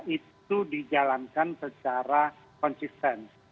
itu dijalankan secara konsisten